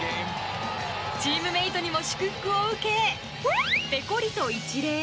チームメイトにも祝福を受けぺこりと一礼。